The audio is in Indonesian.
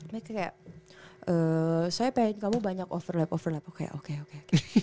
mereka kayak soalnya pengen kamu banyak overlap overlap oke oke oke